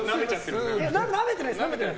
なめてはないです。